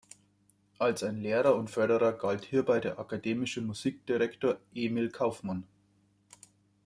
Als ein Lehrer und Förderer galt hierbei der akademische Musikdirektor Emil Kauffmann.